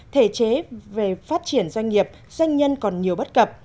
thể chế về phát triển doanh nghiệp doanh nhân còn nhiều bất cập